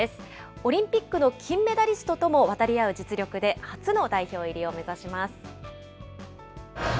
オリンピックの金メダリストとも渡り合う実力で、初の代表入りを目指します。